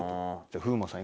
風磨さん